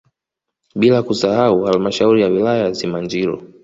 Bila kusahau halmashauri ya wilaya ya Simanjiro